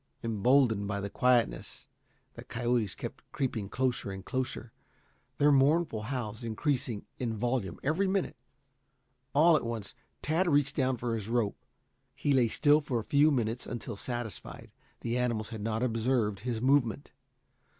Emboldened by the quietness, the coyotes kept creeping closer and closer, their mournful howls increasing in volume every minute. All at once Tad reached down for his rope. He lay still for a few minutes until satisfied that the animals had not observed his movement.